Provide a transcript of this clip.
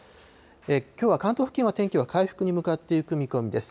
きょうは関東付近は天気は回復に向かっていく見込みです。